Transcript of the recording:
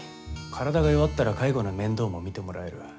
体が弱ったら介護の面倒も見てもらえる。